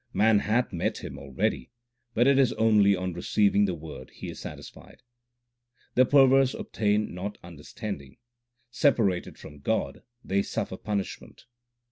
Man hath met Him already, 1 but it is only on receiving the Word he is satisfied. The perverse obtain not understanding ; separated from God they suffer punishment.